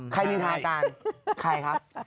ใครครับ